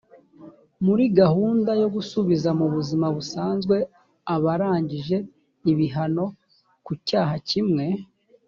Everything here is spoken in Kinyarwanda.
muri gahunda yo gusubiza mu buzima busanzwe abarangije ibihano ku cyaha kimwe